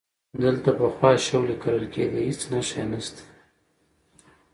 دلته پخوا شولې کرلې کېدې، هیڅ نښه یې نشته،